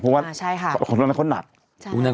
เพราะว่าของต้นนาคมนัก